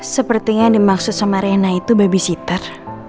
sepertinya yang dimaksud sama rena itu babysitter